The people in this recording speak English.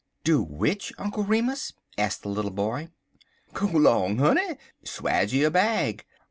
"Do which, Uncle Remus?" asked the little boy. "Go long, honey! Swaje 'er bag.